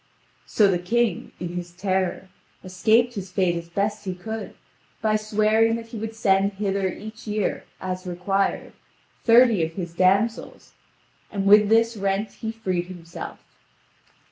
So the king, in his terror, escaped his fate as best he could, by swearing that he would send hither each year, as required, thirty of his damsels, and with this rent he freed himself.